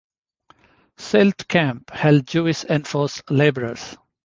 "Sylt camp" held Jewish enforced labourers.